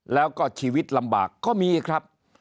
แล้วก็ชีวิตลำบากก็มีครับ